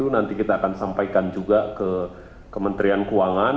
nanti kita akan sampaikan juga ke kementerian keuangan